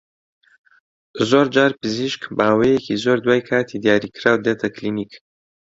زۆرجار پزیشک ماوەیەکی زۆر دوای کاتی دیاریکراو دێتە کلینیک